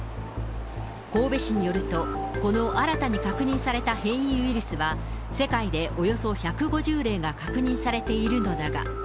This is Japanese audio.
神戸市によると、この新たに確認された変異ウイルスは、世界でおよそ１５０例が確認されているのだが。